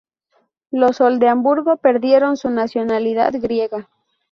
Los Oldemburgo perdieron su nacionalidad griega.